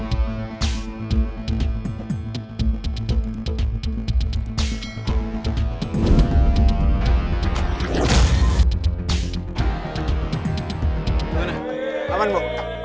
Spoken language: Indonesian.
bapak akan tidak biayain kuliah kamu